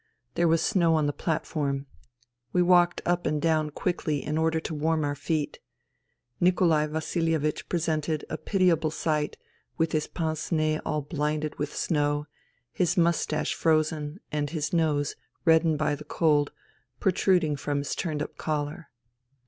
There was snow on the platform. We walked up and down quickly in order to warm our feet. Nikolai Vasilievich presented a pitiable sight with his pince nez all blinded with snow, liis moustache frozen, and his nose, reddened by the cold, protruding from his turned up collar.